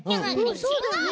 ちがう！